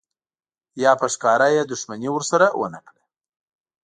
یا په ښکاره یې دښمني ورسره ونه کړه.